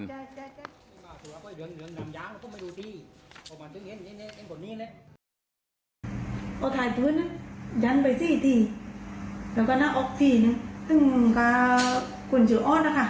ก็ถ่ายพื้นยันไปสี่ทีแล้วก็น่าออกที่คุณชื่ออ้อนะค่ะ